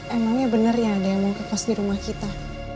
emangnya bener ya ada yang mau kekas di rumah kita